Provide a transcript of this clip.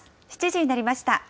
７時になりました。